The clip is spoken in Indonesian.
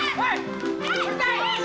iya singkat dia